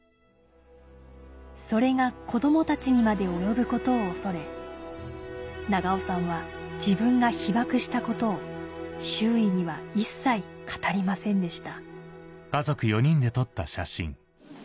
それが子どもたちにまで及ぶことを恐れ長尾さんは自分が被爆したことを周囲には一切語りませんでした